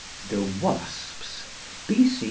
'The Wasps,' B.C.